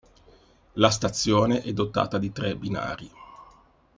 La stazione è dotata di tre binari.